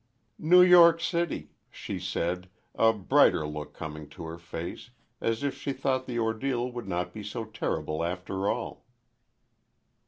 "New York City," she said, a brighter look coming to her face, as if she thought the ordeal would not be so terrible after all.